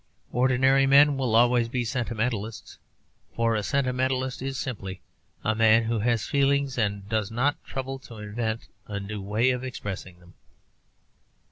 Ordinary men will always be sentimentalists: for a sentimentalist is simply a man who has feelings and does not trouble to invent a new way of expressing them.